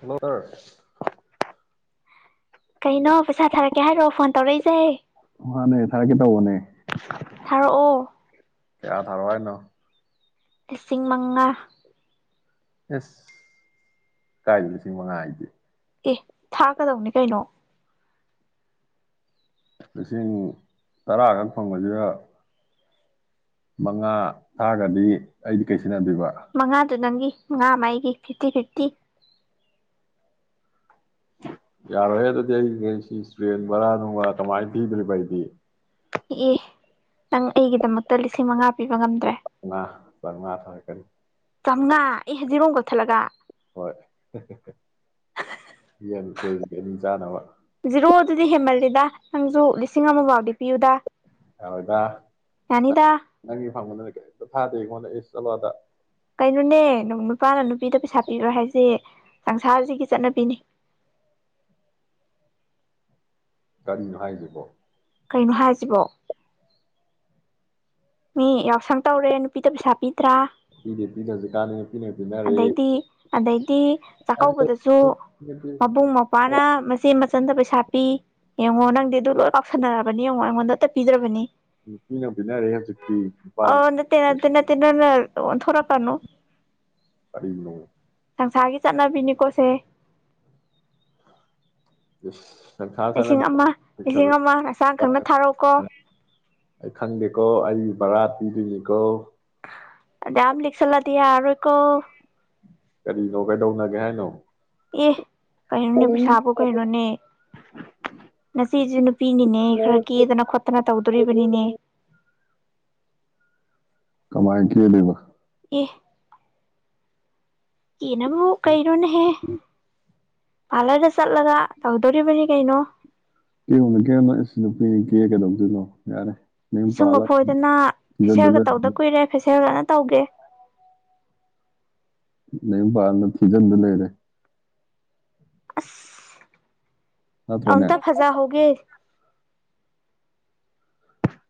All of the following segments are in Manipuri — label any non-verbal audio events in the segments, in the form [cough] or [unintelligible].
ꯍꯜꯂꯣ ꯑꯔ ꯀꯩꯅꯣ ꯄꯩꯁꯥ ꯊꯥꯔꯛꯀꯦ ꯍꯥꯏꯔꯣ ꯐꯣꯟ ꯇꯧꯔꯛꯏꯁꯦ ꯃꯥꯟꯅꯦ ꯊꯔꯛꯀꯦ ꯇꯧꯕꯅꯦ ꯊꯥꯔꯛꯑꯣ ꯀꯌꯥ ꯊꯔꯣ ꯍꯥꯏꯅꯣ ꯂꯤꯁꯤꯡ ꯃꯉꯥ ꯑꯁ ꯀꯥꯏꯗꯩ ꯂꯤꯁꯤꯡ ꯃꯉꯥ ꯑꯩꯗꯤ ꯑꯦ ꯊꯥꯔꯛ ꯀꯗꯧꯅꯦ ꯀꯩꯅꯣ ꯂꯤꯁꯤꯡ ꯇꯔꯥꯒꯛ ꯐꯪꯕꯁꯤꯗ ꯃꯉꯥ ꯊꯥꯒ꯭ꯔꯥꯗꯤ ꯑꯩꯗꯤ ꯀꯩ ꯁꯤꯟꯅꯗꯣꯏꯕ ꯃꯉꯥꯗꯨ ꯅꯪꯒꯤ ꯃꯉꯥ ꯑꯃꯥꯥ ꯑꯩꯒꯤ ꯐꯤꯐꯇꯤ ꯐꯤꯐꯇꯤ ꯌꯥꯔꯣꯏꯍꯦ ꯑꯗꯨꯗꯤ ꯑꯩ ꯔꯦꯟ ꯁꯤ ꯔꯦꯟ ꯕꯥꯔꯥ ꯅꯨꯡꯔꯥ ꯀꯃꯥꯏ ꯄꯤꯗꯨꯔꯤꯕ ꯑꯩꯗꯤ ꯏ ꯅꯪ ꯑꯩꯒꯤꯗꯃꯛꯇ ꯂꯤꯁꯤꯡ ꯃꯉꯥ ꯄꯤꯕ ꯉꯝꯗ꯭ꯔꯦ ꯅꯥ ꯕꯔꯃ ꯊꯔꯛꯀꯅꯤ ꯆꯥꯝꯉꯥ ꯑꯦ ꯖꯤꯔꯣ ꯑꯃ ꯀꯛꯊꯠꯂꯒ ꯍꯣꯏ ꯌꯦꯟ ꯀꯦꯖꯤ ꯑꯅꯤ ꯆꯥꯅꯕ ꯖꯤꯔꯣ ꯑꯗꯨꯗꯤ ꯍꯦꯟꯃꯜꯂꯦꯗ ꯅꯪꯁꯨ ꯂꯤꯁꯤꯡ ꯑꯃꯐꯥꯎꯗꯤ ꯄꯤꯌꯨꯗ ꯌꯔꯣꯏꯗ ꯌꯥꯅꯤꯗ [unintelligible] ꯊꯥꯗꯦ ꯑꯩꯉꯣꯟꯗ ꯆꯠꯂꯣ ꯑꯗ ꯀꯩꯅꯣꯅꯦ ꯅꯨ ꯅꯨꯄꯥꯅ ꯅꯨꯄꯤꯗ ꯄꯩꯁꯥ ꯄꯤꯕ ꯍꯥꯏꯕꯁꯦ ꯁꯪꯁꯥꯔꯁꯤꯒꯤ ꯆꯠꯅꯕꯤꯅꯤ ꯀꯥꯔꯤꯅꯣ ꯍꯥꯏꯁꯤꯕꯣ ꯀꯩꯅꯣ ꯍꯥꯏꯁꯤꯕꯣ ꯃꯤ ꯌꯥꯎꯁꯪ ꯇꯧꯔꯦ ꯄꯤꯗ ꯄꯩꯁꯥ ꯄꯤꯗ꯭ꯔꯥ ꯄꯤꯗꯦ ꯄꯤꯗꯦ ꯍꯧꯖꯤꯛꯀꯥꯟꯗꯤ ꯄꯤꯅ ꯄꯤꯅꯔꯦ ꯑꯗꯩꯗꯤ ꯑꯗꯩꯗꯤ ꯆꯥꯛꯀꯧꯕꯗꯁꯨ ꯃꯕꯨꯡ ꯃꯧ꯭ꯅ ꯃꯆꯦ ꯃꯆꯟꯗ ꯄꯩꯁꯥ ꯄꯤ ꯌꯦꯡꯉꯣ ꯅꯪꯗꯤ ꯑꯗꯨ ꯂꯣꯏ ꯀꯥꯎꯁꯟꯅꯔꯕꯅꯤ ꯌꯦꯡꯉꯣ ꯑꯩꯉꯣꯟꯗ ꯑꯇ ꯄꯤꯗ꯭ꯔꯕꯅꯤ ꯎ ꯏ ꯑ ꯇ ꯅ ꯇ ꯅ ꯇꯅꯅ ꯊꯣꯔ ꯀꯅꯨ ꯀꯔꯤꯅꯣ ꯅꯪ ꯆꯠꯅꯕꯤꯅꯤꯀꯣꯁꯦ ꯏꯁ ꯅꯪꯁꯥ ꯂꯤꯁꯤꯡ ꯆꯥꯅꯕꯤ ꯑꯃ ꯂꯤꯁꯤꯡ ꯑꯃ ꯅꯆꯥꯥꯡ ꯈꯪꯅ ꯊꯥꯔꯛꯀꯣ ꯕꯔꯥꯇꯤꯗꯨꯅꯤꯀꯣ ꯗ ꯑꯃ ꯂꯤꯛꯁꯂꯥꯗ ꯑꯩꯣ ꯀꯔꯤꯅꯣ ꯀꯩꯗꯧꯅꯒꯦ ꯍꯥꯏꯅꯣ ꯑꯦ ꯀꯩꯅꯅꯦ ꯄꯁꯥ ꯀꯩꯅ ꯏꯅꯦ ꯁꯤꯖꯅ ꯄꯤꯅꯤꯅꯦ ꯈꯔ ꯀꯦꯗꯅ ꯈꯣꯠꯇꯅ ꯇꯧꯗꯣꯔꯤꯕꯅꯤꯅꯦ ꯀꯃꯥꯏ ꯀ ꯂꯩꯕ ꯀ ꯀꯤꯩꯅꯕꯨ ꯀꯩꯩꯅꯣꯅ ꯍꯦ ꯄꯥꯔꯂꯔꯗ ꯆꯠꯂꯒ ꯇꯧꯗꯣꯔꯤꯕꯅꯤ ꯀꯩꯅꯣ ꯀꯦꯉꯣꯗ ꯀꯦꯣ ꯏ ꯅꯨꯄꯤꯤ ꯀꯦ ꯀꯩꯗꯧꯁꯤꯅꯣ ꯌꯥꯔꯦ ꯅꯌꯨꯝ ꯤꯁꯨꯡꯒ ꯄꯥꯜꯂ ꯐꯣꯏꯗꯅ ꯊꯤꯖꯤꯟꯗ ꯐꯁꯔꯒ ꯂꯩꯔ ꯇꯧꯗ ꯀꯨꯏꯔꯦ ꯐꯦꯁꯔꯒ ꯅ ꯇꯧꯒꯦ ꯅ ꯐꯥꯔꯅ ꯊꯤꯖꯗ ꯂꯩꯔꯦ [inaudible] ꯅꯠꯇ꯭ꯔꯅꯦ ꯑꯇ ꯐꯖꯥ ꯍꯒꯦ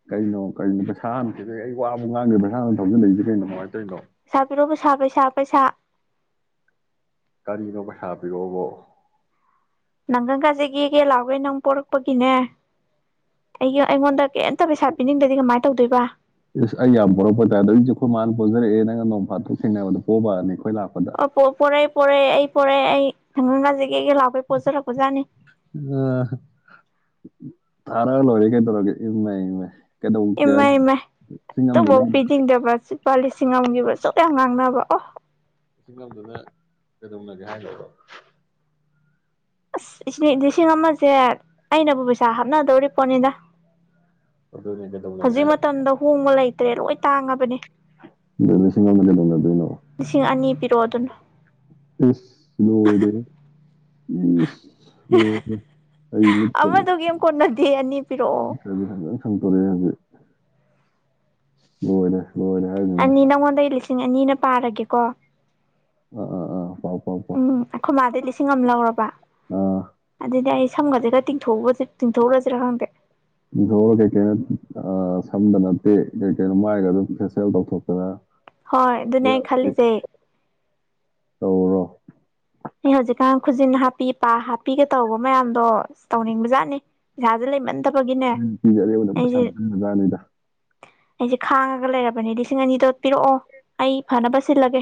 ꯀꯩꯅꯣ ꯀꯩꯅꯣ ꯄꯩꯁꯥ ꯑꯃ ꯊꯤꯩ ꯑꯩ ꯋꯥꯕ ꯉꯥꯡꯗ꯭ꯔꯦ ꯄꯩꯁꯥ ꯑꯃ ꯊꯧꯖꯜꯛꯏꯁꯦ ꯀꯩꯅꯣ ꯀꯅꯨꯡꯉꯥꯏꯇꯧꯔꯤꯩꯅꯣ ꯁꯥꯕꯤꯔꯕꯨ ꯁꯥꯄꯦ ꯁꯥꯄꯦ ꯁꯥ ꯀꯔꯤꯅꯣ ꯄꯩꯁꯥ ꯄꯤꯔꯛꯑꯣꯕꯣ ꯅꯪꯪ ꯀꯁꯤꯒꯤꯒꯦ ꯂꯥꯎꯕꯣꯏ ꯅꯪ ꯄꯣꯔꯛꯄꯒꯤꯅꯦ ꯑꯩ ꯑꯩꯉꯣꯟꯗ ꯀꯩꯝꯇ ꯄꯩꯁꯥ ꯄꯤꯅꯤꯡꯗꯗꯤ ꯀꯃꯥꯏꯅ ꯇꯧꯗꯣꯏꯕ ꯏꯁꯁ ꯑꯩ ꯌꯥꯝ ꯄꯨꯣꯔꯛꯄ ꯇꯥꯏ ꯑꯗꯨ ꯑꯩꯁꯦ ꯑꯩꯈꯣꯏ ꯃꯥꯅ ꯄꯨꯣꯟꯖꯔꯛꯑꯦ ꯅꯪ ꯅ ꯐ ꯇ ꯁꯤ ꯃꯕꯨꯣꯕꯔꯅꯤꯣ ꯑꯣ ꯄꯔꯦ ꯄꯔꯦ ꯑꯩ ꯄꯔꯦ ꯑꯩ ꯀꯖꯤ ꯌꯦꯒ ꯂꯕ ꯄꯣꯆꯔꯀꯖꯅꯤ ꯑ ꯊꯥꯔꯒ ꯂꯣꯏꯔꯦ ꯀꯩꯗꯧꯔꯒꯦ ꯏꯪꯃꯦ ꯏꯪꯃꯦ ꯀꯩꯗꯧꯦ ꯏꯃꯥꯏ ꯏꯃꯥꯏ ꯁꯤ ꯉꯝꯒꯗ ꯑꯗꯨꯐꯥꯎ ꯄꯤꯅꯤꯡꯗꯕ ꯂꯨꯄꯥ ꯂꯤꯁꯤꯡ ꯑꯃꯒꯤꯕ ꯁꯨꯛ ꯌꯥꯝ ꯉꯥꯡꯅꯕ ꯑꯣ ꯏꯛ ꯂꯝꯗꯨꯗ ꯀꯩꯗꯧꯅꯒꯦ ꯍꯥꯏꯔꯕꯣ ꯑꯁ ꯏ ꯂꯤꯁꯤꯡ ꯑꯃꯁꯦ ꯑꯩꯅꯕꯨ ꯄꯩꯁꯥ ꯍꯥꯞꯅꯗꯧꯔꯤ ꯄꯣꯅꯤꯗ ꯑꯗꯨꯅꯦ ꯀꯩꯗꯧꯅꯒꯦ ꯍꯧꯖꯤꯛ ꯍꯥꯏ ꯃꯇꯝꯗ ꯍꯨꯉ ꯂꯩ ꯇ꯭ꯔꯦ ꯂꯣꯏ ꯇꯥꯡꯉꯕꯅꯦ ꯂꯩꯁꯤꯡꯒ ꯃꯗ ꯑꯗꯨꯅ ꯆꯣꯗꯅ ꯑꯁ ꯂꯣꯗꯦ ꯎ ꯑꯣ ꯑꯩ ꯃꯤ ꯑꯃꯗꯣ ꯀꯩꯝ ꯀꯣꯟꯅꯗꯦ ꯑꯅꯤ ꯃꯤ ꯄꯤꯔꯛꯑꯣ ꯁꯪ ꯁꯪꯗꯣꯔꯛꯑꯦ ꯍꯧꯖꯤꯛ ꯍꯅꯦ ꯍ ꯌꯥ ꯌꯥ ꯑꯗꯨꯃꯦ ꯑꯅꯤ ꯅꯪꯉꯣꯟꯗꯩ ꯂꯤꯁꯤꯡ ꯑꯅꯤꯅ ꯄꯥꯔꯒꯦꯀꯣ ꯑꯥ ꯑꯥ ꯑꯥ ꯄꯥꯎ ꯄꯥꯎ ꯄꯥꯎ ꯎꯝ ꯑꯩꯈꯣꯏ ꯃꯥꯗꯤ ꯂꯤꯁꯤꯡ ꯑꯃ ꯂꯧꯔꯕ ꯑꯥ ꯑꯗꯨꯗꯤ ꯑꯩ ꯁꯝꯒꯁꯦ ꯈ ꯇꯤꯡꯊꯣꯛꯎꯕ ꯍ ꯀꯦꯀ ꯑ ꯁꯝꯗ ꯅꯠꯇꯦ ꯀꯩ ꯀꯩꯅꯣ ꯃꯥꯏꯒ ꯑꯗꯨꯝ ꯐꯦꯁꯇꯦꯜ ꯇꯧꯊꯣꯛꯇꯅ ꯍꯣꯏ ꯑꯗꯨꯅꯦ ꯑꯩ ꯑꯌꯥꯕꯈꯩ ꯈꯜꯂꯤꯖꯩ ꯇꯧꯔꯣ ꯑꯩ ꯍꯧꯖꯤꯛꯀꯥꯟ ꯈꯨꯖꯤꯟ ꯍꯥꯞꯄꯤ ꯄꯥ ꯍꯥꯞꯄꯤꯒ ꯇꯧꯕ ꯃꯌꯥꯝꯗꯣ ꯇꯧꯅꯤꯡꯕꯖꯥꯠꯅꯤ ꯄꯩꯁꯥꯥꯁꯦ ꯂꯩꯃꯟꯗꯕ ꯎꯝ ꯄꯤꯖꯦꯗꯩꯁꯥ ꯃꯖꯥ ꯂꯩꯗ ꯑꯩꯁꯦ ꯈꯥꯡꯉꯒ ꯂꯩꯔꯕꯅꯦ ꯂꯤꯁꯤꯡ ꯑꯅꯤꯗꯣ ꯄꯤꯔꯛꯑꯣ ꯑꯩ ꯐꯅꯕ ꯁꯤꯜꯂꯒꯦ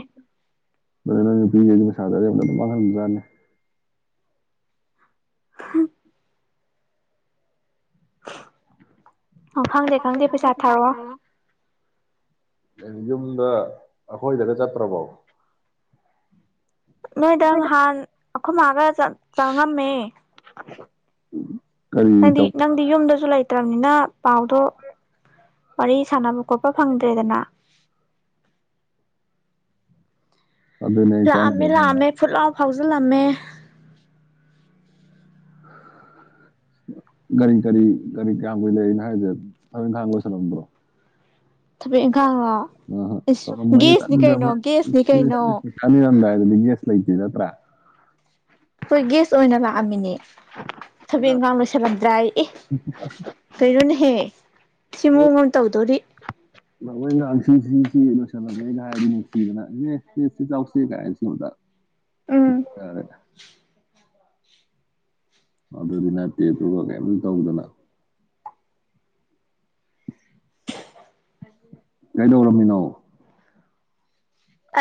ꯁꯥꯗꯃ ꯊꯝꯖꯅꯤ [inaudible] ꯑꯣ ꯈꯪꯗꯦ ꯈꯪꯗꯦ ꯄꯩꯁꯥ ꯊꯥꯔꯛꯑꯣ ꯩꯅ ꯌꯨꯝꯗ ꯑꯩꯈꯣꯏꯗꯒ ꯆꯠꯇ꯭ꯔꯕꯣ ꯃꯣꯏꯗꯥ ꯍꯥꯟ ꯑꯈꯣ ꯃꯥꯒ ꯆ ꯆꯥꯉꯝꯃꯦ ꯎꯝ ꯅꯪꯗꯤ ꯅꯪꯗꯤ ꯌꯨꯝꯗꯁꯨ ꯂꯩꯇ ꯐꯠꯇ꯭ꯔꯕꯅꯤꯅ ꯄꯥꯎꯗꯣ ꯋꯥꯔꯤ ꯁꯥꯟꯅꯕ ꯈꯣꯠꯄ ꯐꯪꯗ꯭ꯔꯦꯗꯅ ꯑꯗꯨꯅꯦ ꯑꯩ ꯆꯪꯗ꯭ꯔꯦ ꯂꯩ ꯍꯣꯏꯅꯦ ꯑꯃ ꯐꯨꯂ ꯐꯥꯎꯖꯤꯜꯂꯝꯃꯦ ꯀꯒꯥꯔꯤ ꯀꯔꯤ ꯀꯒꯥꯔꯤ ꯀꯌꯥ ꯀꯨꯏ ꯂꯩꯅꯣ ꯍꯥꯏꯁ ꯊ ꯏꯪꯈꯥꯡ ꯂꯣꯏꯁꯜꯂꯝꯕ꯭ꯔꯣ ꯊꯦ ꯑ ꯀꯩꯅꯣ ꯃ ꯒꯦꯁꯅꯤ ꯀꯩꯅꯣ ꯊꯅꯤꯗ ꯌꯦꯁꯂꯇꯅ ꯍꯥꯠꯇ꯭ꯔ ꯑꯩꯈꯣꯏ ꯒꯦꯁ ꯑꯣꯏꯅ ꯂꯥꯛꯑꯝꯃꯤꯅꯦ ꯊꯕꯦꯟ ꯀꯥꯡꯕ ꯁꯦꯝꯂꯝꯝꯗ꯭ꯔꯥ ꯑꯦ ꯀꯩꯅꯣꯅꯦꯍꯦ ꯁꯤ ꯃꯑꯣ ꯑꯃ ꯇꯧꯗꯣꯔꯤ ꯂꯑꯣꯣꯏ ꯉꯥꯡ ꯁꯤ ꯁꯤꯁꯤ ꯂꯣꯏꯁꯜꯂꯝꯕꯃꯦꯒꯥꯏ ꯍꯥꯏꯔꯗꯤ ꯅꯨꯡꯁꯤꯗꯅ ꯏ ꯁꯤ ꯆꯥꯎꯁꯦ ꯀꯥꯏꯅ ꯁꯤꯉꯗ ꯎꯝ ꯏꯔ ꯑꯗꯨꯗꯤ ꯅꯠꯇꯦꯞꯇꯨꯒ ꯀꯩꯝꯇ ꯇꯧꯗꯅ ꯑꯗꯨꯗ ꯀꯩꯗꯧꯔꯃꯤꯅꯣ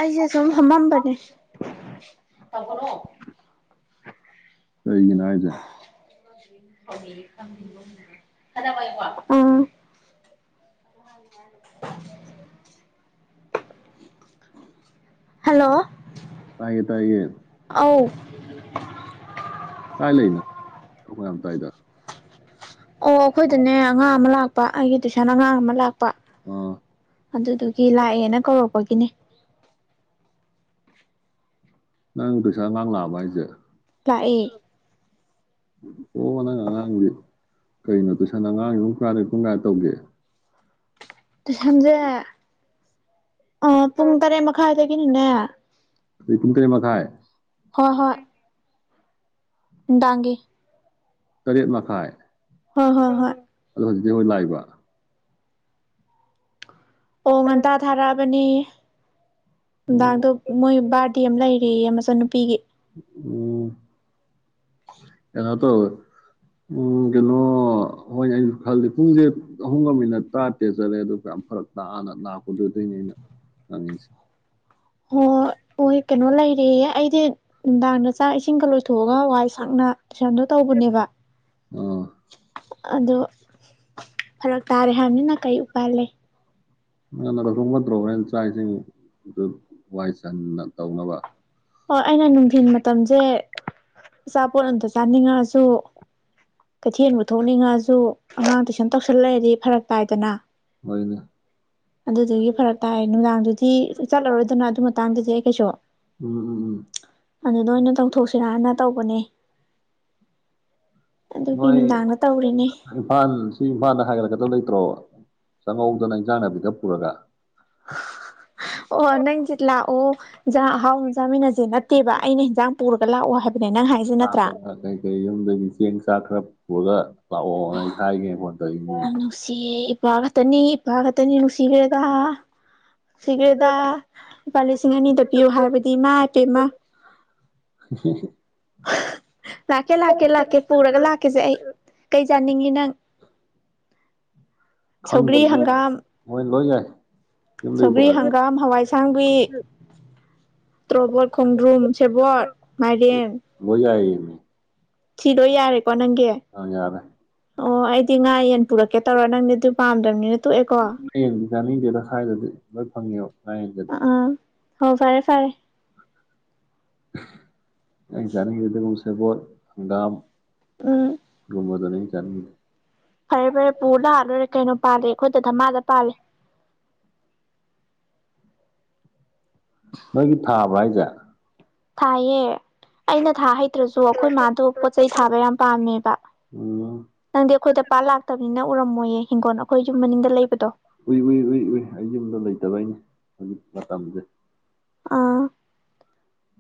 ꯑꯩꯁꯦ ꯁꯨꯝ ꯍꯃꯝꯕꯅꯦ ꯇꯪꯀꯅꯣ ꯀꯩꯒꯤꯅꯥ ꯍꯥꯏꯁꯦ ꯎꯝ ꯍꯜꯂꯣ ꯇꯥꯏꯌꯦ ꯇꯥꯏꯌꯦ ꯑꯧ [unintelligible] ꯀꯥꯏ ꯂꯩꯅꯣ ꯃ ꯌꯥꯝ ꯇꯥꯏꯗ ꯑꯣ ꯑꯩꯈꯣꯏꯗꯅꯦ ꯑꯉꯥꯡ ꯑꯃ ꯂꯥꯛꯄ ꯑꯩꯒꯤ ꯇꯨꯏꯁꯟ ꯑꯉꯥꯡ ꯑꯃ ꯂꯥꯛꯄ ꯑꯥ ꯑꯗꯨꯗꯨꯒꯤ ꯂꯥꯛꯑꯦꯅ ꯀꯧꯔꯛꯄꯒꯤꯅꯦ ꯅꯪ ꯀꯁꯥ ꯉꯥꯡ ꯂꯕ ꯍꯥꯏꯁꯦ ꯂꯥꯛꯑꯏꯦ ꯑꯣ ꯅꯪ ꯑꯉꯥꯡꯗꯤ ꯀꯩꯅꯣ ꯇꯨꯏꯁꯟꯗ ꯑꯉꯥꯡꯁꯤ ꯄꯨꯡ ꯐꯔꯥꯗ ꯄꯨꯡ ꯀꯥꯏꯗ ꯇꯧꯒꯦ ꯇꯨ ꯁꯖ ꯑ ꯄꯨꯡ ꯇꯔꯦ ꯃꯈꯥꯏ ꯄꯨꯟꯅ ꯏ ꯀꯨꯡꯇꯔꯤ ꯃꯥꯏ ꯍꯣꯏ ꯍꯣꯏ ꯗꯥꯡꯒꯦ ꯇꯔꯦꯠ ꯃꯈꯥꯏ ꯍꯣꯏ ꯍꯣꯏ ꯍꯣꯏ ꯑꯗꯣ ꯍꯧꯖꯤꯛꯇꯤ ꯍꯣꯏ ꯂꯥꯛꯏꯕ ꯑꯣ ꯉꯟ ꯑ ꯊꯔ ꯑꯃꯅꯤꯅꯤ ꯅꯨꯡꯗꯥꯡꯗꯣ ꯑꯣ ꯃꯣꯏ ꯕꯥꯔꯗꯤ ꯑꯃ ꯂꯩꯔꯦ ꯑꯣ ꯅꯨꯄꯤꯒꯤ ꯎꯝ ꯀꯩꯅꯣ ꯇꯧꯋꯦ ꯎꯝ ꯀꯩꯅꯣ ꯍꯣꯏꯅ ꯑꯩꯅ ꯈꯜꯜꯂꯤ ꯄꯨꯡꯁꯦ ꯑꯍꯨꯝꯒ ꯃꯤꯅꯠ ꯇꯔꯥ ꯇꯔꯦꯠ ꯆꯠꯂꯦ ꯑꯗꯨ ꯀꯌꯥꯝ ꯐꯔꯛ ꯇꯥꯛꯑꯅ ꯂꯥꯛꯀꯗꯣꯏꯗꯣꯏꯅꯤ ꯑꯩꯅ ꯉꯪꯉꯤꯁꯦ ꯍꯣꯏ ꯍꯣꯏ ꯀꯩꯅꯣ ꯂꯩꯔꯦꯦ ꯑꯩꯗꯤ ꯅꯨꯡꯗꯥꯡꯗ ꯆꯥꯛ ꯏꯁꯤꯡꯒ ꯂꯣꯏꯊꯣꯛꯑꯒ ꯋꯥꯏ ꯁꯥꯡꯅ ꯇꯨꯏꯁꯟꯗꯣ ꯇꯧꯕꯅꯦꯕ ꯑ ꯑꯗꯣ ꯐꯔꯛ ꯇꯥꯔꯦ ꯍꯥꯏꯕꯅꯤꯅ ꯀꯔꯤ ꯎꯄꯜ ꯂꯩ ꯅ ꯅ ꯂꯧꯧꯊꯣꯡꯕꯠꯇ꯭ꯔꯣ ꯍꯣꯔꯦꯟꯅ ꯆꯥꯛꯁꯤꯡꯣꯏ ꯋꯥꯏ ꯁꯟꯅ ꯇꯧꯅꯕ ꯍꯣꯏ ꯑꯩꯅ ꯅꯨꯡꯊꯤꯜ ꯃꯇꯝꯁꯦ ꯑꯆꯥꯄꯣꯠ ꯑꯝꯇ ꯆꯥꯅꯤꯡꯉꯛꯁꯨ ꯀꯩꯊꯦꯜꯕꯨ ꯊꯣꯛꯅꯤꯡꯉꯁꯨ ꯑꯉꯥꯡ ꯇꯨꯏꯁꯟ ꯇꯧꯁꯜꯂꯛꯑꯗꯤ ꯐꯔꯛꯄꯥꯏꯗꯅ ꯍꯣꯏꯅ ꯑꯗꯨꯗꯨꯒꯤ ꯐꯔꯛ ꯇꯥꯏ ꯅꯨꯡꯗꯥꯡꯗꯨꯗꯤ ꯆꯠꯂꯔꯣꯏꯗꯅ ꯑꯗꯨ ꯃꯇꯥꯡꯗꯗꯤ ꯑꯩ ꯀꯩꯁꯨ ꯎꯝ ꯎꯝ ꯎꯝ ꯑꯗꯨꯗ ꯑꯣꯏꯅ ꯇꯧꯊꯣꯛꯁꯤꯔꯅ ꯇꯧꯕꯅꯦ ꯑꯗꯨꯒꯤ ꯅꯣꯏ ꯅꯨꯡꯗꯥꯡꯗ ꯇꯧꯔꯤꯅꯦ ꯏꯝꯐꯥꯜ ꯁꯤ ꯏꯝꯐꯥꯜꯗ ꯍꯥꯏꯒꯠꯂꯛꯀꯗꯕ ꯂꯩꯇ꯭ꯔꯣ ꯆꯪꯍꯧꯗꯅ ꯏꯟꯁꯥꯡ ꯅꯥꯄꯤꯗ ꯄꯨꯔꯒ ꯑꯣ ꯅꯪꯁꯦ ꯂꯥꯛꯑꯣꯟ ꯑꯍꯥꯎ ꯆꯥꯃꯤꯟꯅꯁꯦ ꯅꯠꯇꯦꯕ ꯑꯩꯅ ꯍꯟꯖꯥꯡ ꯄꯨꯔꯒ ꯂꯥꯛꯑꯣ ꯍꯥꯏꯕ ꯁꯥ ꯀ ꯀꯩ ꯌꯗꯁ ꯁꯥꯈꯔ ꯍꯒ ꯅꯨꯡꯁꯤꯌꯦ ꯏꯄꯥ ꯈꯛꯇꯅꯤ ꯏꯄꯥ ꯈꯛꯇꯅꯤ ꯅꯨꯡꯁꯤꯈ꯭ꯔꯦꯗ ꯅꯨꯡꯁꯤꯈ꯭ꯔꯦꯗ ꯂꯨꯄꯥ ꯂꯤꯁꯤꯡ ꯑꯅꯤꯗ ꯄꯤꯌꯨ ꯍꯥꯏꯕꯗꯤ ꯏ ꯃꯥ ꯍꯥꯏꯄꯦꯃ [inaudible] ꯂꯥꯛꯀꯦ ꯂꯥꯛꯀꯦ ꯂꯥꯛꯀꯦ ꯄꯨꯔꯒ ꯂꯥꯛꯀꯦꯁꯦ ꯑꯩ ꯀꯩ ꯌꯥꯥꯅꯤꯡꯉꯤ ꯅꯪ ꯁꯧꯒ꯭ꯔꯤ ꯈꯪꯗꯦꯅꯦ ꯍꯪꯒꯥꯝ ꯃꯣꯏ ꯂꯣꯏ ꯌꯥꯏ ꯌꯨꯝꯗꯒꯤ ꯁꯧꯒ꯭ꯔꯤ ꯄꯨꯔꯛꯑꯗꯤ ꯍꯪꯒꯥꯝ ꯍꯋꯥꯏꯁꯥꯡꯕꯤꯏ ꯇ꯭ꯔꯣꯕꯠ ꯈꯣꯡꯗ꯭ꯔꯨꯝ ꯁꯦꯕꯠ ꯃꯥꯏꯔꯦꯟ ꯂꯣꯏ ꯌꯥꯏꯌꯦꯃꯤ ꯁꯤꯤꯗꯣ ꯌꯥꯔꯦ ꯅꯪꯒꯤ ꯑ ꯌꯥꯔꯦ ꯑꯣ ꯑꯩꯗꯤ ꯉꯥ ꯌꯦꯟ ꯄꯨꯔꯛꯦ ꯀꯦ ꯇꯧꯔꯣ ꯅꯪꯗꯤ ꯑꯗꯨ ꯄꯥꯝꯗꯕꯅꯤꯅ ꯇꯣ ꯑꯦꯀꯣ ꯖꯥꯔꯅꯤꯡ ꯗꯦꯗ ꯁ꯭ꯏꯗꯗꯤ ꯂꯣꯏ ꯐꯪꯉꯦꯕ ꯉꯥꯌꯦꯟꯗꯗꯤ ꯑꯥ ꯍ ꯐꯔꯦ ꯐꯔꯦ [inaudible] ꯑꯩ ꯆꯥ ꯑꯗꯨꯕꯣꯜ ꯍꯪꯒꯥꯝ ꯎꯝ ꯃ ꯑꯗꯨꯅꯤ ꯆ ꯐꯔꯦ ꯐꯔꯦ ꯄꯨ ꯂꯥꯜꯂꯣꯏꯔꯦ ꯀꯩꯅꯣ ꯄꯥꯜꯂꯦ ꯑꯩꯈꯣꯏꯗ ꯙꯃꯥꯗ ꯄꯥꯜ ꯅꯣꯏꯒꯤ ꯊꯥꯕ꯭ꯔꯥ ꯍꯥꯏꯁꯦ ꯊꯌꯦ ꯑꯩꯅ ꯊꯥ ꯍꯩꯇ꯭ꯔꯁꯨ ꯑꯩꯈꯣꯏ ꯃꯥꯗꯣ ꯄꯣꯠ ꯆꯩꯩ ꯊꯥꯕ ꯌꯥꯝ ꯄꯥꯝꯃꯦꯕ ꯎꯝ ꯅꯪꯗꯤ ꯑꯩꯈꯣꯏꯗ ꯄꯥꯠ ꯂꯥꯛꯇꯕꯅꯤꯅ ꯎꯔꯝꯃꯣꯏꯌꯦ ꯍꯤꯡꯒꯣꯜ ꯑꯩꯈꯣꯏ ꯌꯨꯝ ꯃꯅꯤꯡꯗ ꯂꯩꯕꯗꯣ ꯎꯏ ꯎꯏ ꯎꯏ ꯎꯏ ꯑꯩ ꯌꯨꯝꯗꯣ ꯂꯩꯇꯕꯩꯅꯦ ꯍꯧꯖꯤꯛ ꯃꯇꯝꯁꯦ ꯑꯥ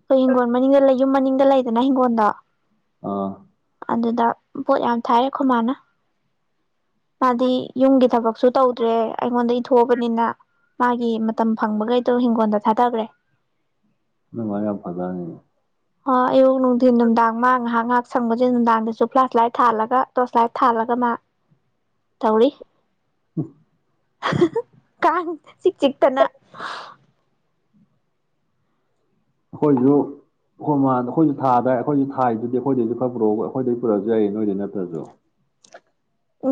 ꯑꯩꯣꯏ ꯍꯤꯡꯪꯣꯟ ꯃꯅꯤꯗ ꯂꯩ ꯌꯨꯝ ꯃꯅꯤꯡꯗ ꯂꯩꯗꯅ ꯍꯤꯡꯒꯣꯜꯗ ꯑꯥ ꯑꯗꯨꯗ ꯄꯣꯠ ꯌꯥꯝ ꯊꯥꯏꯔꯦꯈꯣ ꯃꯥꯅ ꯃꯥꯗꯤ ꯌꯨꯝꯒꯤ ꯊꯕꯛꯁꯨ ꯇꯧ ꯑꯩꯉꯣꯟꯗ ꯊꯣꯛꯑꯕꯅꯤꯅ ꯃꯥꯒꯤ ꯃꯇꯝ ꯐꯪꯕꯈꯩꯗꯣ ꯍꯤꯡꯒꯣꯜꯗ ꯊꯥꯗꯈ꯭ꯔꯦ ꯏꯉꯔ ꯐꯇꯥꯅꯦ ꯑ ꯑꯌꯨꯛ ꯅꯨꯡꯊꯤꯟ ꯅꯨꯡꯗꯥꯡ ꯃꯥ ꯉꯥꯏꯍ ꯉꯥꯏꯍꯥꯛ ꯁꯪꯕꯁꯦ ꯅꯨꯡꯗꯥꯡꯗꯁꯨ ꯐ꯭ꯂꯥꯁ ꯂꯥꯏꯠ ꯊꯥꯜꯂꯒ ꯇꯣꯔꯁ ꯂꯥꯏꯠ ꯊꯥꯜꯂꯒ ꯃꯥ ꯇꯧꯔꯤ ꯎꯝ ꯀꯥꯟ ꯆꯤꯛ ꯆꯤꯛꯇꯅ ꯑꯩꯈꯣꯏꯁꯨ ꯍ ꯑꯩꯈꯣꯏꯁꯨ ꯊꯥꯗ ꯑꯩꯈꯣꯏꯁꯨ ꯊꯥꯏꯗꯨꯗꯤ ꯑꯩꯈꯣꯏꯗꯩꯁꯨ ꯈꯔ ꯄꯨꯔꯛꯎ ꯑꯩꯈꯣꯏꯗꯩ ꯄꯨꯔꯛꯁꯨ ꯌꯥꯏꯌꯦ ꯅꯣꯏꯗꯩ ꯅꯠꯇ꯭ꯔꯁꯨ ꯎ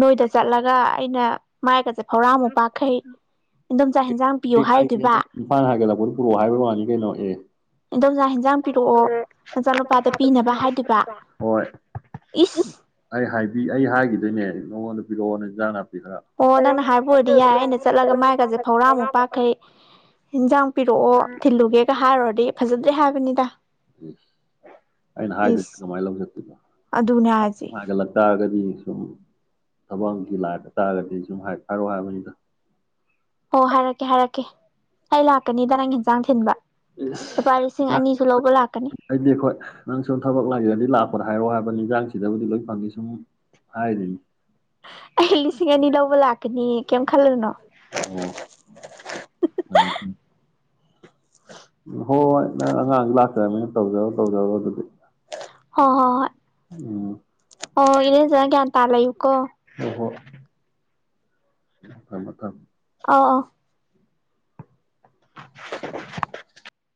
ꯅꯣꯏꯗ ꯆꯠꯂꯒ ꯑꯩꯅ ꯃꯥꯏꯒ ꯆꯠꯄ ꯍꯧꯧꯔꯥ ꯃꯄꯥꯈꯩ ꯑꯩ ꯍꯥꯏꯒꯦ ꯅꯪ ꯏꯝꯐꯥꯜ ꯍꯥꯏꯒꯦꯂꯄꯣꯠ ꯄꯨꯔꯛꯑꯣ ꯍꯥꯏꯕ ꯋꯥꯅꯤ ꯀꯩꯅꯣ ꯑꯦ ꯏꯟꯗꯣꯝꯆꯥ ꯍꯦꯟꯖꯥꯡ ꯄꯤꯔꯛꯑꯣ ꯅꯆꯥꯅꯨꯄꯥꯗ ꯄꯤꯅꯕ ꯍꯥꯏꯗꯨꯕ ꯍꯣꯏ ꯏꯁ ꯑꯩ ꯍꯥꯏꯕꯤ ꯑꯩ ꯍꯥꯏꯈꯤꯗꯣꯏꯅꯦ ꯅꯉꯣꯟꯗ ꯄꯤꯔꯛꯑꯣ ꯏꯟꯖꯥꯡꯅ ꯑꯣ ꯅꯪꯅ ꯍꯥꯏꯕ ꯑꯣꯏꯔꯗꯤ ꯌꯥꯏ ꯑꯩꯅ ꯆꯠꯂꯒ ꯃꯥꯏꯒꯁꯦ ꯐꯧꯔꯥꯃꯨꯛ ꯄꯥꯈꯩ ꯌꯦꯟꯖꯥꯡ ꯄꯤꯔꯛꯑꯣ ꯊꯤꯜꯂꯨꯒꯦꯒ ꯍꯥꯏꯔꯨꯔꯗꯤ ꯐꯖꯅ ꯍꯥꯏꯕꯅꯤꯗ ꯎ ꯑꯩꯅ ꯍꯥꯏꯗꯅ ꯏꯁ ꯀꯃꯥꯏꯅ ꯂꯧ ꯆꯠꯇꯣꯏꯅꯣ ꯑꯗꯨꯅꯦ ꯍꯥꯏꯁꯦ ꯍꯥꯏꯒꯠꯂꯛ ꯇꯥꯔꯒꯗꯤ ꯁꯨꯝ ꯊꯕꯛꯒꯤ ꯂꯥꯏꯕ ꯇꯥꯔꯒꯗꯤ ꯁꯨꯝ ꯍꯥꯏ ꯍꯥꯏꯔꯣ ꯍꯥꯏꯕꯅꯤꯗ ꯑꯣ ꯍꯥꯏꯔꯛꯀꯦ ꯍꯥꯏꯔꯛꯀꯦ ꯑꯩ ꯂꯥꯛꯀꯅꯤ ꯗ ꯅꯪ ꯌꯦꯟꯖꯥꯡ ꯊꯤꯟꯕ ꯂꯨꯄꯥ ꯂꯤꯁꯤꯡ ꯏꯁ ꯑꯅꯤꯁꯨ ꯂꯧꯕ ꯂꯥꯛꯀꯅꯤ ꯄꯣꯠ ꯍꯥꯏꯔꯛꯑꯣ ꯍꯥꯏꯕ ꯌꯦꯟꯖꯥꯡꯁꯤꯗꯕꯨꯗꯤ ꯂꯣꯏ ꯐꯪꯉ ꯁꯨꯝ ꯍꯥꯏꯔꯤꯗꯨꯅꯤ ꯑ ꯂ ꯂꯤꯁꯤ ꯑꯅꯤꯗꯕ ꯂꯥꯛꯅꯤ ꯀ ꯈꯜꯂꯅ ꯑꯣ ꯍꯣꯏ ꯍꯣꯏ ꯅꯪ ꯑꯉꯥꯡ ꯂꯥꯛꯀ꯭ꯔꯕꯅꯤꯅ ꯇꯧꯖꯔꯣ ꯇꯧꯖꯔꯣ ꯑꯗꯨꯗꯤ ꯍ ꯍ ꯍ ꯎꯝ ꯑꯣ ꯏꯅꯦꯖꯒꯦ ꯌꯥ ꯇꯥꯂ ꯏꯨꯀꯣ ꯑ ꯍꯣ ꯃ ꯃꯊꯝ ꯑꯥ ꯑ [inaudible]